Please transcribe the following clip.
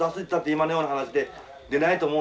今のような話で出ないと思うので。